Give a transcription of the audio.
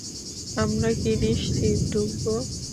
আমরা কি নিশ্চিত ঢুকব?